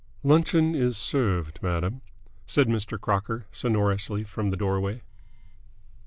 "Luncheon is served, madam!" said Mr. Crocker sonorously from the doorway.